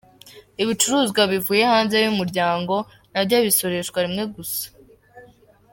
Ibicuruzwa bivuye hanze y’Umuryango na byo bisoreshwa rimwe gusa.